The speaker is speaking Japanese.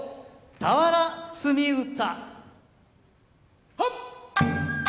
「俵積み唄」。